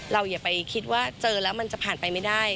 อย่าไปคิดว่าเจอแล้วมันจะผ่านไปไม่ได้